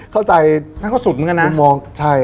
เข้าใจท่านเข้าสุดเหมือนกันนะ